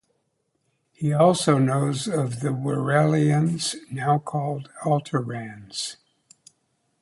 He also knows of the Werelians, now called Alterrans.